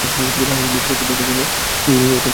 হরিদাস কর্তব্যাবধারণে বিমূঢ় হইয়া অত্যন্ত ব্যাকুল হইল।